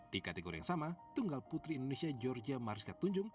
di kategori yang sama tunggal putri indonesia georgia mariska tunjung